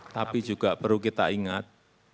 tapi juga perlu kita ingat